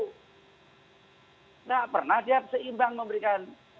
tidak pernah dia seimbang memberikan